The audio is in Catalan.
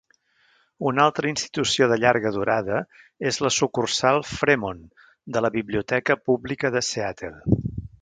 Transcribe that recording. Una altra institució de llarga durada és la sucursal Fremont de la Biblioteca Pública de Seattle.